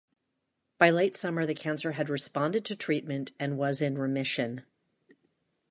By late summer the cancer had responded to treatment and was in remission.